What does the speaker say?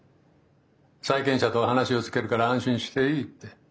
債権者とは話をつけるから安心していい」って。